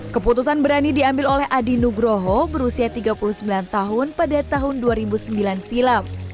keputusan berani diambil oleh adi nugroho berusia tiga puluh sembilan tahun pada tahun dua ribu sembilan silam